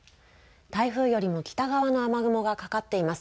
台風よりも北側の雨雲がかかっています。